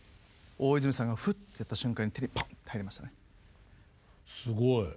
大泉さんがフッてやった瞬間に手にポンと入りましたね。